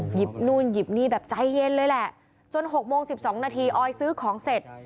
หยิบนู่นหยิบนี่แบบใจเย็นเลยแหละจน๖โมง๑๒นาทีออยซื้อของเสร็จ